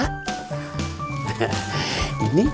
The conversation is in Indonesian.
ikannya ada mang